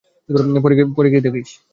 পড়ে গিয়ে দেখিস।